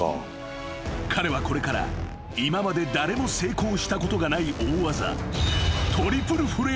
［彼はこれから今まで誰も成功したことがない大技］